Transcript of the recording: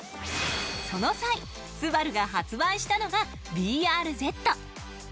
その際スバルが発売したのがＢＲＺ。